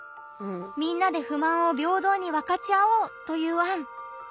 みんなで不満を平等に分かち合おうという案。